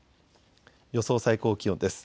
予想最高気温です。